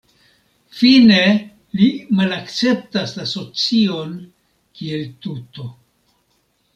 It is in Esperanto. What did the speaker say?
Fine, li malakceptas la socion kiel tuto.